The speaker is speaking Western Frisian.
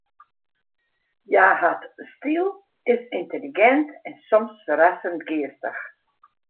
Hja hat styl, is yntelligint en soms ferrassend geastich.